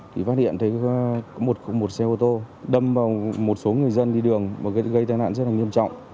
thì phát hiện thấy có một xe ô tô đâm vào một số người dân đi đường và gây tai nạn rất là nghiêm trọng